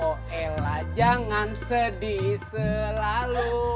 oh ella jangan sedih selalu